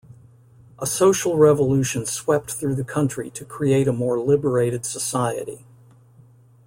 A social revolution swept through the country to create a more liberated society.